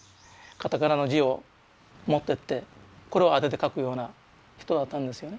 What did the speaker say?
カタカナの字を持ってってこれを当てて書くような人だったんですよね。